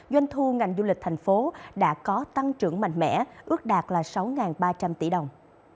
doanh thu ngành du lịch thành phố đã có tăng trưởng mạnh mẽ ước đạt sáu ba trăm linh tỷ đồng